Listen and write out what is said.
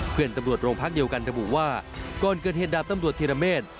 เพื่อนตำรวจโรงพักเดียวกันระบุว่าก่อนเกิดเหตุดาบตำรวจธิรเมษ